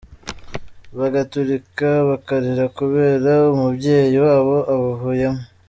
bagaturika bakarira kubera umubyeyi wabo ubavuyemo.